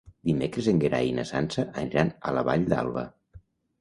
Dimecres en Gerai i na Sança aniran a la Vall d'Alba.